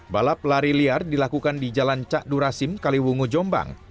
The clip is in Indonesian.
balap lari liar dilakukan di jalan cakdurasim kaliwungu jombang